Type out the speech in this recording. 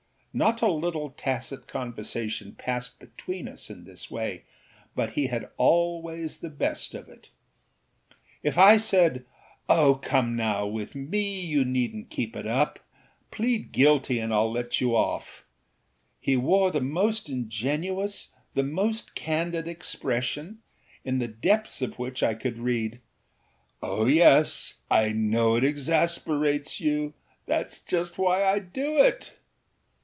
Not a little tacit conversation passed between us in this way, but he had always the best of it. If I said: âOh, come now, with me you neednât keep it up; plead guilty, and Iâll let you off,â he wore the most ingenuous, the most candid expression, in the depths of which I could read: âOh, yes, I know it exasperates youâthatâs just why I do it.